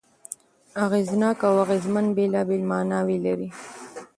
اغېزناک او اغېزمن بېلابېلې ماناوې لري.